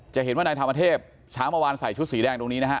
จะเห็นว่านายธรรมเทพเช้าเมื่อวานใส่ชุดสีแดงตรงนี้นะฮะ